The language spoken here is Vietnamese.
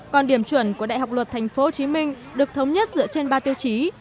còn điểm chuẩn của đại học luật tp hcm được thống nhất dựa trên ba tiêu chí